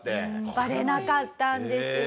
バレなかったんですよ。